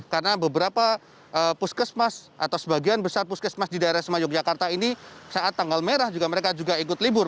karena beberapa puskesmas atau sebagian besar puskesmas di daerah istimewa yogyakarta ini saat tanggal merah juga mereka juga ikut libur